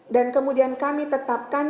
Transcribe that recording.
dan kemudian kami tetapkan